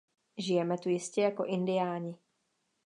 Žijeme tu jistě jako Indiáni.